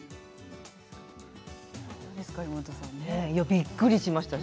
びっくりしました。